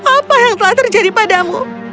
apa yang telah terjadi padamu